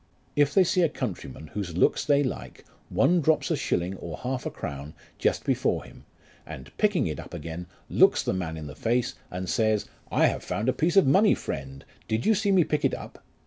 If they see a countryman whose looks they like, one drops a shilling or half a crown just before him, and picking it up again, looks the man in the face, and says, I have found a piece of money, friend ; did you see me pick it up